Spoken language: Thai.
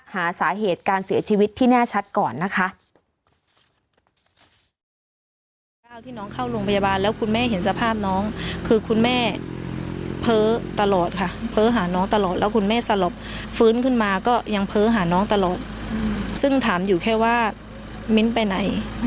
หาสาเหตุการเสียชีวิตที่แน่ชัดก่อนนะคะ